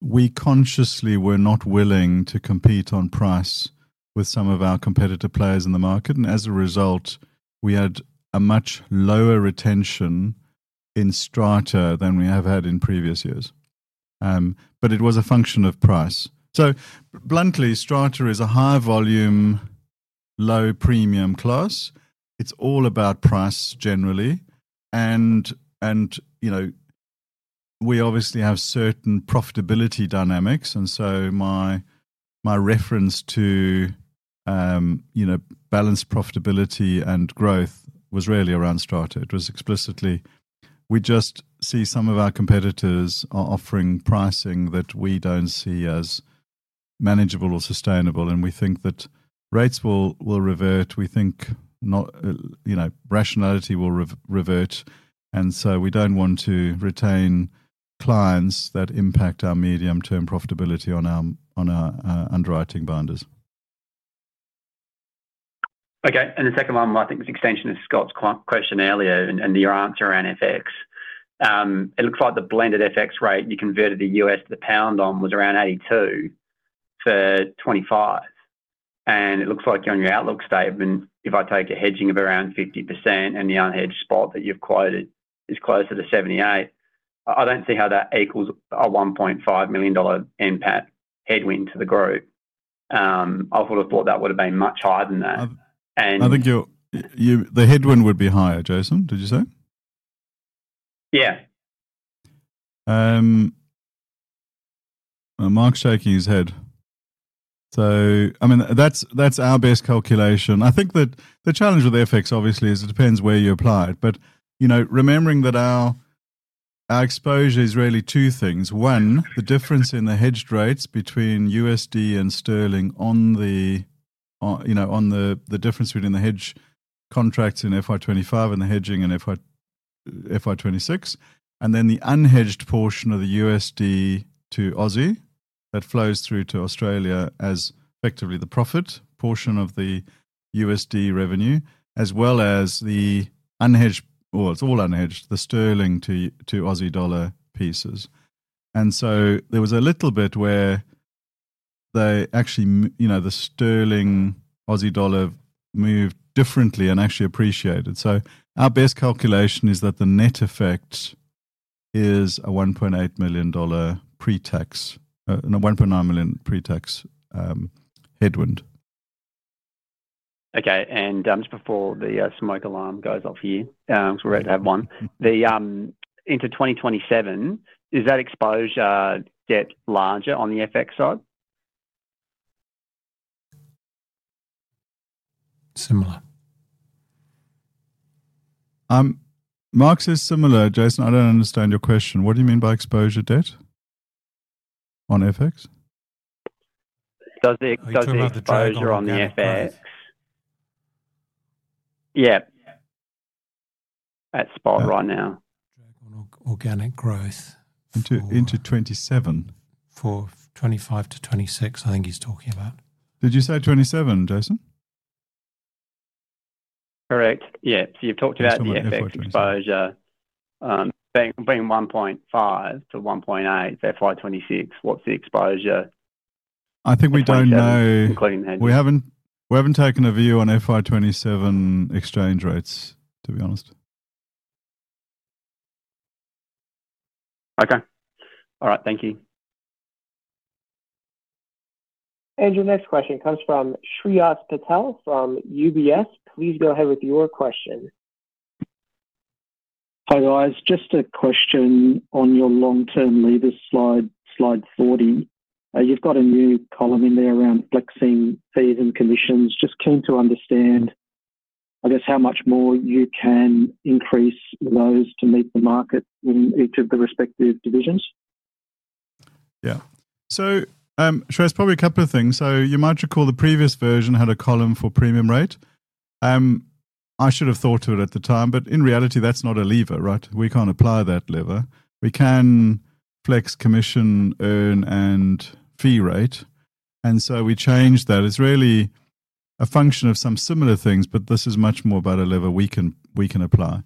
A: we consciously were not willing to compete on price with some of our competitor players in the market. As a result, we had a much lower retention in strata than we have had in previous years. It was a function of price. Strata is a high volume, low premium class. It's all about price generally. You know, we obviously have certain profitability dynamics. My reference to balanced profitability and growth was really around strata. It was explicitly. We just see some of our competitors are offering pricing that we don't see as manageable or sustainable. We think that rates will revert. We think rationality will revert. We don't want to retain clients that impact our medium term profitability on our underwriting binders.
H: Okay. The second one I think was extension of Scott's question earlier and your answer on FX. It looks like the blended FX rate you converted the U.S. to the pound on was around 82 for 2025. It looks like on your outlook statement, if I take a hedging of around 50% and the unhedged spot that you've quoted is closer to 78, I don't see how that equals a 1.5 million dollar NPAT headwind to the growth. I would have thought that would have been much higher than that.
A: I think the headwind would be higher. Jason, did you say?
H: Yeah.
A: Mark's shaking his head. That's our best calculation. I think that the challenge with FX obviously is it depends where you apply it. Remembering that our exposure is really two things. One, the difference in the hedged rates between USD and sterling on the difference between the hedge contracts in FY 2025 and the hedging in FY 2026. Then the unhedged portion of the USD to Aussie that flows through to Australia as effectively the profit portion of the USD revenue as well as the unhedged, it's all unhedged, the sterling to Aussie dollar pieces. There was a little bit where the sterling Aussie dollar moved differently and actually appreciated. Our best calculation is that the net effect is a 1.8 million dollar pre-tax, 1.9 million pre-tax headwind.
H: Okay. Just before the smoke alarm goes. We're ready to have. On the into 2027, does that exposure get larger on the FX side?
B: Similar.
A: Mark says similar. Jason, I don't understand your question. What do you mean by exposure debt on FX?
H: Does the exposure on the FX?
B: Yeah, at spot right now on organic growth.
A: Into 2027.
B: For 2025 to 2026. I think he's talking about.
A: Did you say 2027, Jason?
H: Correct. Yeah, you've talked about the FX exposure. Being 1.5-1.8, FY 2026. What's the exposure?
A: I think we don't know. We haven't taken a view on FY 2027 exchange rates, to be honest.
H: Okay, all right, thank you.
C: Your next question comes from Shreyas Patel from UBS. Please go ahead with your question.
I: Hi guys. Just a question on your long term levers. Slide 40. You've got a new column in there around flexing fees and conditions. Just keen to understand, I guess, how much more you can increase those to meet the market in each of the respective divisions.
A: Yeah, it's probably a couple of things. You might recall the previous version had a column for premium rate. I should have thought to it at the time, but in reality that's not a lever. Right. We can't apply that lever. We can flex commission earn and fee rate, and so we change that. It's really a function of some similar things. This is much more about a lever we can apply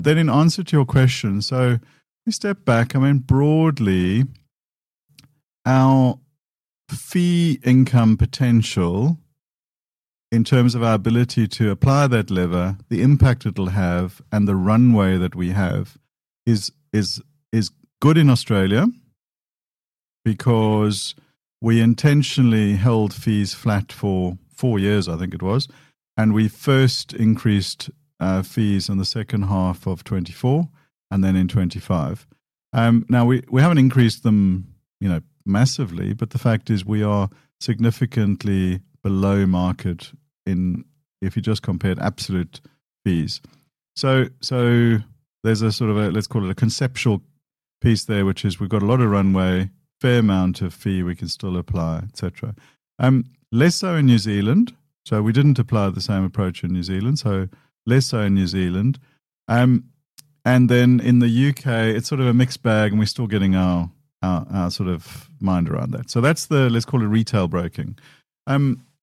A: then, in answer to your question. You step back, I mean, broadly, our fee income potential in terms of our ability to apply that lever, the impact it'll have, and the runway that we have is good in Australia because we intentionally held fees flat for four years, I think it was. We first increased fees in the second half of 2024 and then in 2025. We haven't increased them, you know, massively, but the fact is we are significantly below market if you just compared absolute fees. There's a sort of, let's call it a conceptual piece there, which is we've got a lot of runway, fair amount of fee we can still apply, et cetera, less so in New Zealand. We didn't apply the same approach in New Zealand, so less so in New Zealand. In the U.K., it's sort of a mixed bag, and we're still getting our sort of mind around that. That's the, let's call it retail broking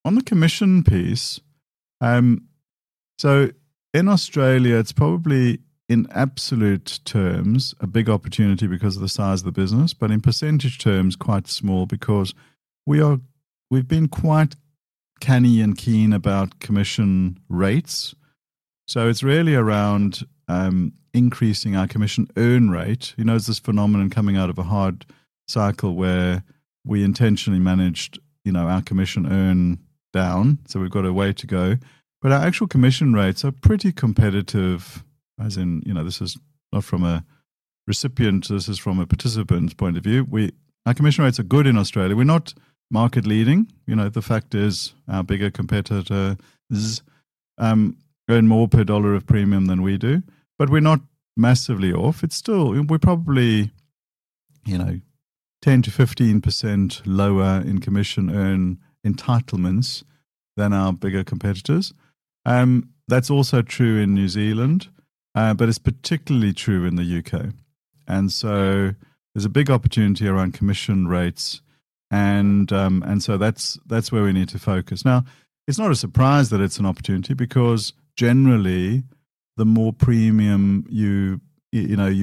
A: on the commission piece. In Australia, it's probably in absolute terms a big opportunity because of the size of the business, but in percentage terms, quite small because we've been quite canny and keen about commission rates. It's really around increasing our commission earn rate. There's this phenomenon coming out of a hard cycle where we intentionally managed our commission earn down, so we've got a way to go. Our actual commission rates are pretty competitive, as in, you know, this is not from a recipient, this is from a participant point of view. Our commission rates are good in Australia. We're not market leading. The fact is our bigger competitor earn more per dollar of premium than we do, but we're not massively off. We're probably, you know, 10%-15% lower in commission earned entitlements than our bigger competitors. That's also true in New Zealand, but it's particularly true in the U.K. There's a big opportunity around commission rates, and that's where we need to focus. It's not a surprise that it's an opportunity because generally the more premium you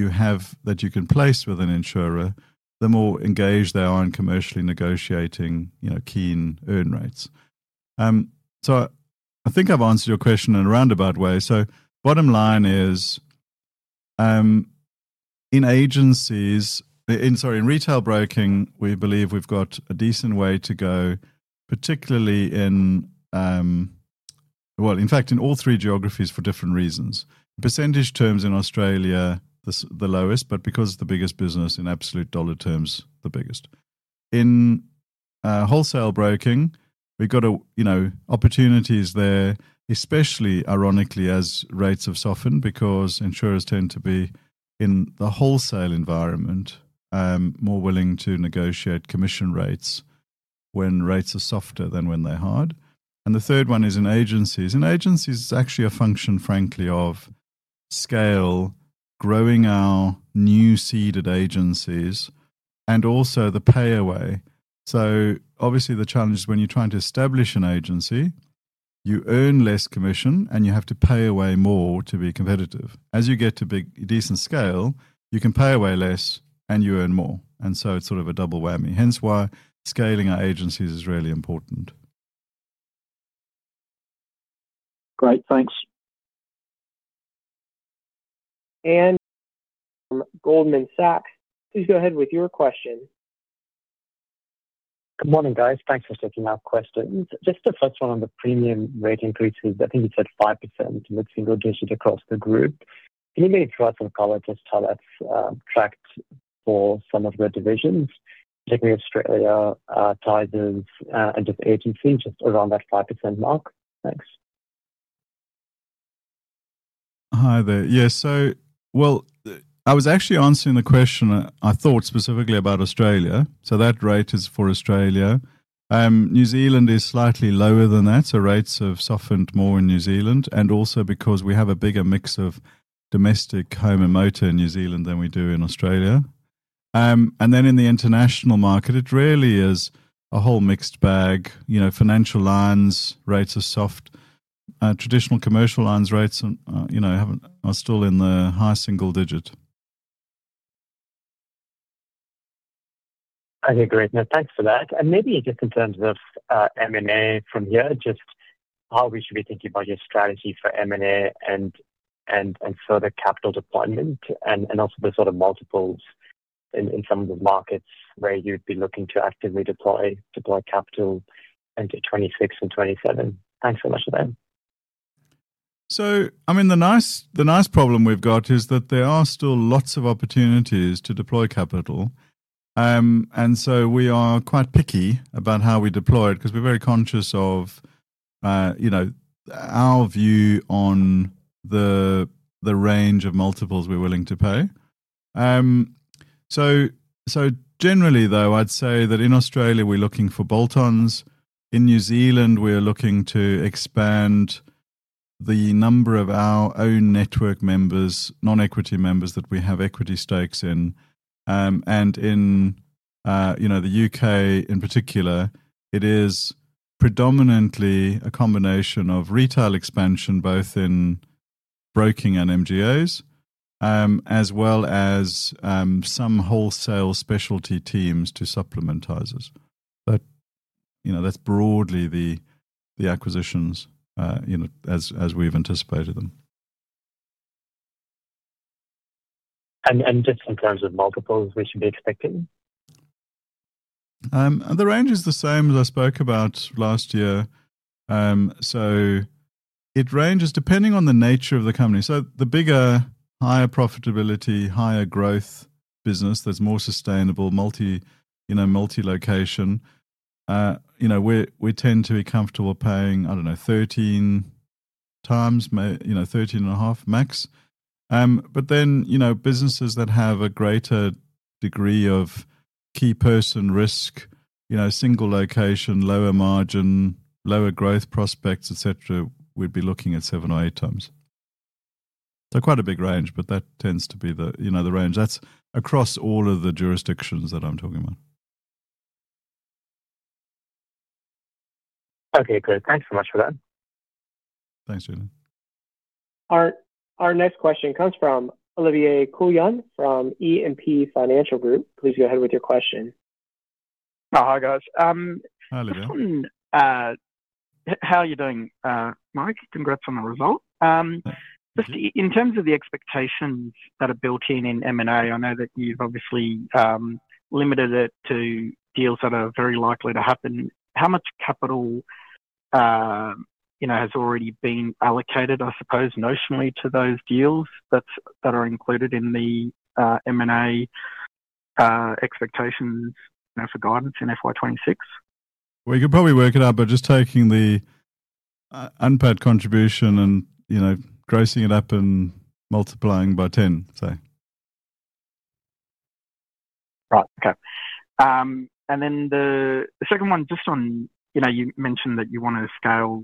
A: have that you can place with an insurer, the more engaged they are in commercially negotiating keen earn rates. I think I've answered your question in a roundabout way. Bottom line is in agencies, in retail broking, we believe we've got a decent way to go, particularly in, in fact in all three geographies for different reasons. Percentage terms in Australia the lowest, but because it's the biggest business in absolute dollar terms, the biggest in wholesale broking, we've got opportunities there, especially ironically as rates have softened because insurers tend to be in the wholesale environment more willing to negotiate commission rates when rates are softer than when they're hard. The third one is in agencies. Agencies is actually a function, frankly, of scale, growing our new seeded agencies and also the payaway. Obviously the challenge is when you're trying to establish an agency, you earn less commission and you have to pay away more to be competitive. As you get to big, decent scale, you can pay away less and you earn more. It's sort of a double whammy, hence why scaling our agencies is really important.
I: Great, thanks.
C: Grant. Goldman Sachs, please go ahead with your question. Good morning guys. Thanks for taking that question. Just the first one on the premium rate increases, I think you said 5% mid single digit across the group. Just to fact check for some of your divisions, Australia, Tysers, and agency, just around that 5% mark. Thanks.
A: Hi there. Yes, I was actually answering the question. I thought specifically about Australia. That rate is for Australia. New Zealand is slightly lower than that. Rates have softened more in New Zealand and also because we have a bigger mix of domestic home and motor in New Zealand than we do in Australia. In the international market, it really is a whole mixed bag. You know, financial lines rates are soft. Traditional commercial lines rates are still in the high single digit. I agree. Great, thanks for that. Maybe just in terms of M&A from here, just how we should be thinking about your strategy for M&A and further capital deployment, and also the sort of multiples in some of the markets where you'd be looking to actively deploy capital into 2026 and 2027. Thanks so much. I mean, the nice problem we've got is that there are still lots of opportunities to deploy capital, and we are quite picky about how we deploy it because we're very conscious of our view on the range of multiples we're willing to pay. Generally, though, I'd say that in Australia we're looking for bolt-ons. In New Zealand we are looking to expand the number of our own network members, non-equity members that we have equity stakes in. In the U.K. in particular, it is predominantly a combination of retail expansion both in broking and MGOs as well as some wholesale specialty teams to supplement us. That's broadly the acquisitions as we've anticipated them. In terms of multiples we should be expecting. The range is the same as I spoke about last year. It ranges depending on the nature of the company. The bigger, higher profitability, higher growth business that's more sustainable, multi, you know, multi location, we tend to be comfortable paying, I don't know, 13x, 13.5x max. Businesses that have a greater degree of key person risk, single location, lower margin, lower growth prospects, et cetera, we'd be looking at 7x or 8x. Quite a big range. That tends to be the range that's across all of the jurisdictions that I'm talking about. Okay, great. Thanks so much for that.
B: Thanks. Grant.
C: Our next question comes from Olivier Coulon from E&P Financial Group. Please go ahead with your question.
J: Oh, hi guys. How are you doing? Mike, congrats on the result in terms of the expectations that are built in. In M&A. I know that. You've obviously limited it to deals that are very likely to happen. How much capital has already been allocated, I suppose notionally, to those deals that are included in the M&A expectations for guidance in FY 2026?
A: We could probably work it out by just taking the unpaid contribution and grossing it up and multiplying by 10.
J: Right, okay. The second one, just on, you mentioned that you want to scale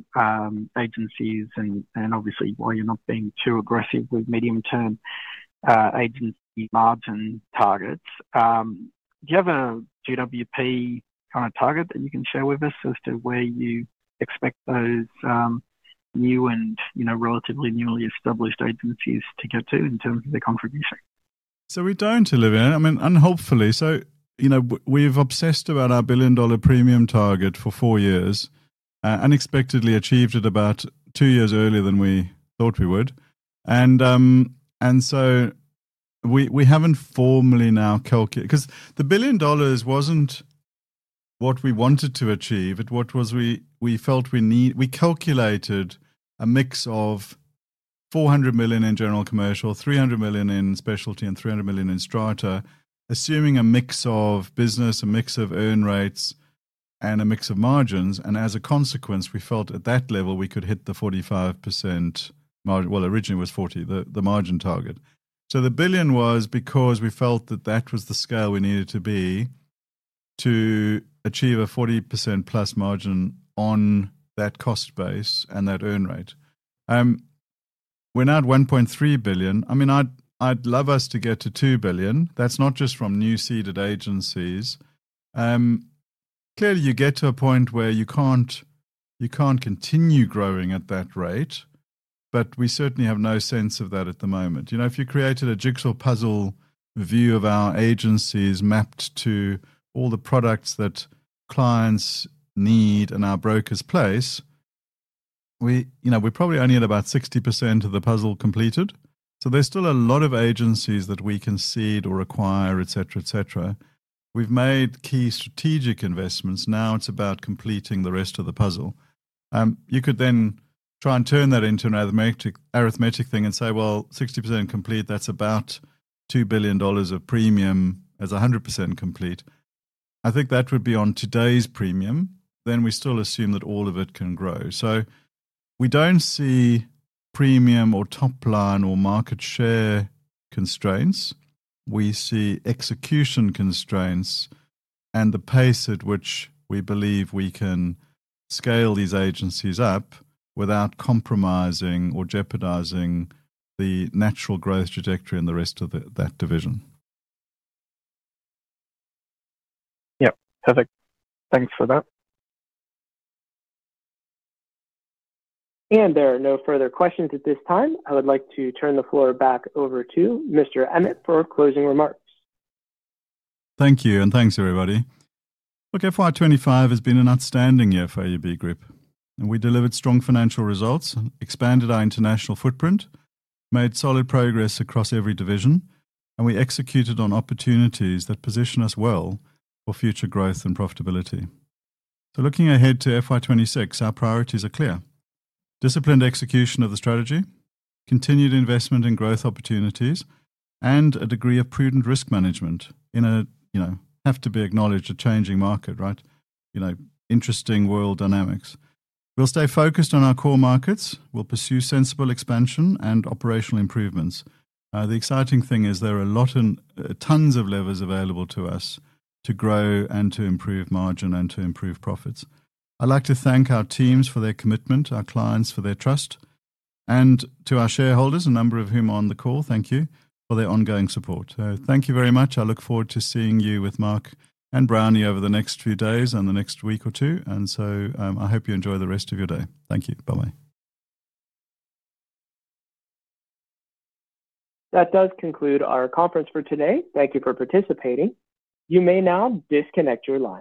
J: agencies and obviously why you're not being too aggressive with medium term agency margin targets. Do you have a GWP kind of target that you can share with us as to where you expect those new and, you know, relatively newly established agencies to get to in terms of their contribution?
A: We don't, Olivier. I mean, unhelpfully, we've obsessed about our 1 billion dollar premium target for four years, unexpectedly achieved it about two years earlier than we thought we would. We haven't formally now calculated because the 1 billion dollars wasn't what we wanted to achieve, it was what we felt we need. We calculated a mix of 400 million in general commercial, AUDB300 million in specialty, and 300 million in strata, assuming a mix of business, a mix of earn rates, and a mix of margins. As a consequence, we felt at that level we could hit the 45% margin. Originally, it was 40% the margin target. The 1 billion was because we felt that that was the scale we needed to be to achieve a 40%+ margin on that cost. Base and that earn rate. We're now at 1.3 billion. I mean, I'd love us to get to 2 billion. That's not just from new seeded agencies. Clearly, you get to a point where you can't continue growing at that rate. We certainly have no sense of that at the moment. If you created a jigsaw puzzle view of our agencies mapped to all the products that clients need. Our brokers place, we, you know, we. Probably only had about 60% of the puzzle completed. There's still a lot of agencies that we can seed or acquire, etc. We've made key strategic investments. Now it's about completing the rest of the puzzle. You could then try and turn that into an arithmetic thing and say, 60% complete, that's about 2 billion dollars of premium as 100% complete. I think that would be on today's premium. We still assume that all of it can grow. We don't see premium or top line or market share constraints. We see execution constraints and the pace at which we believe we can scale these agencies up without compromising or jeopardizing the natural growth trajectory and the rest of that division.
J: Yeah, perfect. Thanks for that.
C: There are no further questions at this time. I would like to turn the floor back over to Mr. Emmett for closing remarks.
A: Thank you and thanks everybody. FY 2025 has been an outstanding year for AUB Group. We delivered strong financial results, expanded our international footprint, made solid progress across every division, and executed on opportunities that position us well for future growth and profitability. Looking ahead to FY26, our priorities are clear: disciplined execution of the strategy, continued investment in growth opportunities, and a degree of prudent risk management in a, you know, have to be acknowledged, changing market. Right. You know, interesting world dynamics. We'll stay focused on our core markets. We'll pursue sensible expansion and operational improvements. The exciting thing is there are a lot of levers available to us to grow and to improve margin. To improve profits. I'd like to thank our teams for their commitment, our clients for their trust, and to our shareholders, a number of. Whom on the call, thank you for their ongoing support. Thank you very much. I look forward to seeing you with Mark and Brownie over the next few days and the next week or two. I hope you enjoy the. Rest of your day. Thank you. Bye bye.
C: That does conclude our conference for today. Thank you for participating. You may now disconnect your line.